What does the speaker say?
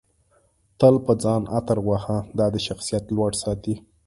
تل په ځان عطر وهه دادی شخصیت لوړ ساتي